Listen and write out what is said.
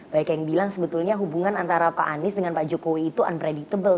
baik yang bilang sebetulnya hubungan antara pak anies dengan pak jokowi itu unpredictable